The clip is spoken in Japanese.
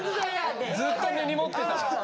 ずっと根に持ってたの？